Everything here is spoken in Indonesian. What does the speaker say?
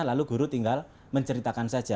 lalu guru tinggal menceritakan saja